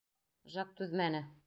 Жак түҙмәне: